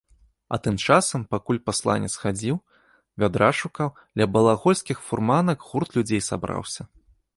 А тым часам, пакуль пасланец хадзіў, вядра шукаў, ля балагольскіх фурманак гурт людзей сабраўся.